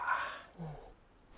うん。